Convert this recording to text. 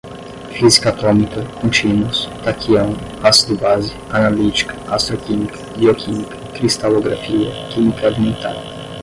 física atômica, contínuos, taquião, ácido-base, analítica, astroquímica, bioquímica, cristalografia, química alimentar